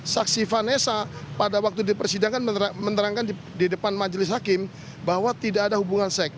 saksi vanessa pada waktu di persidangan menerangkan di depan majelis hakim bahwa tidak ada hubungan seks